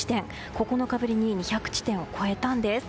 ９日ぶりに２００地点を超えたんです。